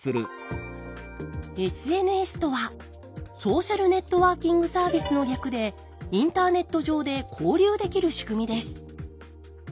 ＳＮＳとは「ソーシャルネットワーキングサービス」の略でインターネット上で交流できる仕組みです。